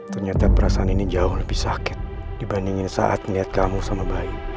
ternyata perasaan ini jauh lebih sakit dibandingin saat melihat kamu sama bayi